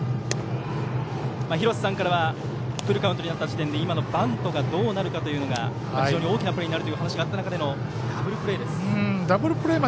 廣瀬さんからはフルカウントになった時点で今のバントがどうなるのかというのが非常に大きなプレーになるというお話があった中、ダブルプレー。